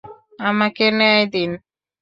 আমাকে ন্যায় দিন।